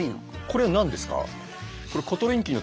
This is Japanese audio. これは何ですか？